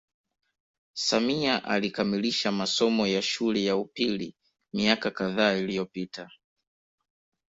Samia alikamilisha masomo ya shule ya upili miaka kadhaa iliyopita